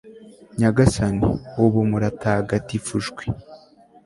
nyagasani, ubu muratagatifujwe